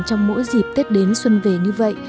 trong mỗi dịp tết đến xuân về như vậy